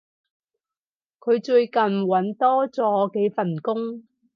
佢最近搵多咗幾份工